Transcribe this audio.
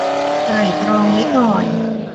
ไตร่ตรองไว้ก่อน